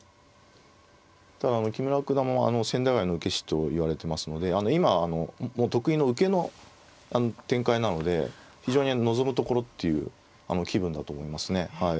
ただ木村九段も千駄ヶ谷の受け師といわれてますので今得意の受けの展開なので非常に望むところっていう気分だと思いますね。